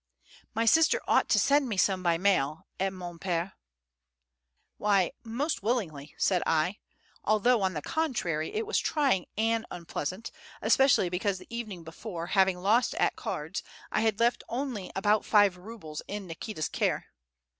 My sister ought to send me some by the mail, et mon pere " "Why, most willingly," said I, although, on the contrary, it was trying and unpleasant, especially because the evening before, having lost at cards, I had left only about five rubles in Nikita's care.